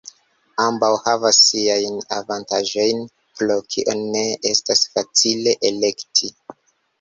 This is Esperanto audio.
Ambaŭ havas siajn avantaĝojn, pro kio ne estas facile elekti.